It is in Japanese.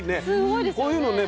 こういうのね